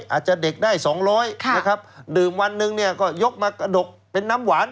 อาจจะเด็กได้สองร้อยนะครับดื่มวันหนึ่งเนี่ยก็ยกมากระดกเป็นน้ำหวาน